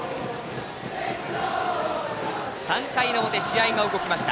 ３回表、試合が動きました。